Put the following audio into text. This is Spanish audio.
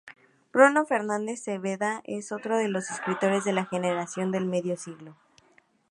Bruno Fernández Cepeda es otro de los escritores de la Generación del Medio Siglo.